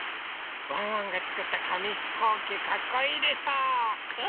ワンワンがつくったかみひこうきかっこいいでしょう？